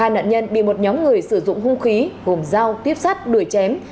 hai nạn nhân bị một nhóm người sử dụng hung khí gồm dao tiếp sát đuổi chém